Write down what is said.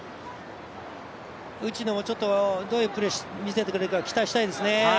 内野も、ちょっとどういうプレーしてくれるか期待したいですね。